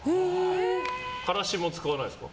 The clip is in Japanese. からしも使わないんですか？